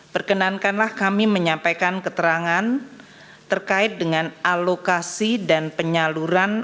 perkenankanlah kami menyampaikan keterangan terkait dengan alokasi dan penyaluran